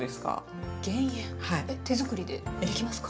えっ手作りでできますか？